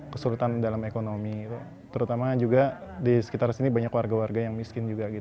kesulitan dalam ekonomi terutama juga di sekitar sini banyak warga warga yang miskin juga